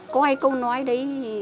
có hay câu nói đấy